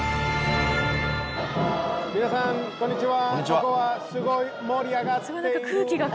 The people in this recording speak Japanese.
皆さんこんにちは。